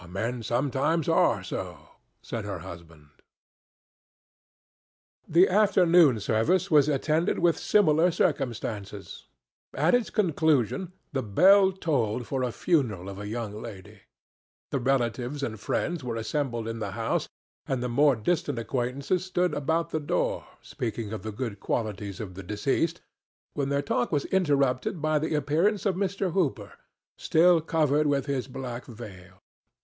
"Men sometimes are so," said her husband. The afternoon service was attended with similar circumstances. At its conclusion the bell tolled for the funeral of a young lady. The relatives and friends were assembled in the house and the more distant acquaintances stood about the door, speaking of the good qualities of the deceased, when their talk was interrupted by the appearance of Mr. Hooper, still covered with his black veil.